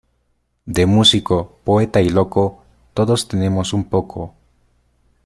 De músico, poeta y loco, todos tenemos un poco.